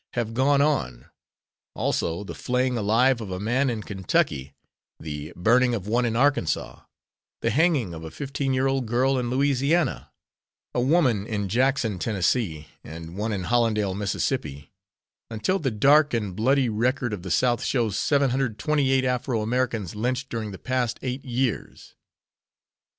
have gone on; also the flaying alive of a man in Kentucky, the burning of one in Arkansas, the hanging of a fifteen year old girl in Louisiana, a woman in Jackson, Tenn., and one in Hollendale, Miss., until the dark and bloody record of the South shows 728 Afro Americans lynched during the past eight years.